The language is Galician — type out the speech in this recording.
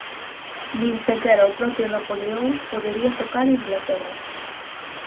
Nin sequera o propio Napoleón podería tocar Inglaterra.